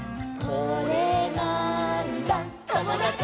「これなーんだ『ともだち！』」